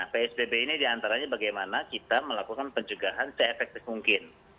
psbb ini diantaranya bagaimana kita melakukan pencegahan se efektif mungkin